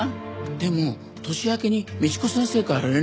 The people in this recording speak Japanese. でも年明けに美智子先生から連絡があって。